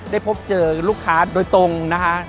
พบเจอลูกค้าโดยตรงนะคะ